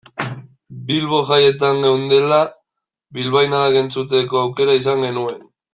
Bilbo jaietan geundela bilbainadak entzuteko aukera izan genuen.